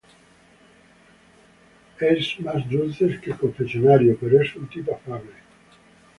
Es más dulces que el confesionario, pero es un tipo afable;..